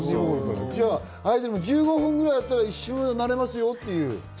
じゃあ、アイドルも１５分ぐらいだったら一瞬なれますよっていう。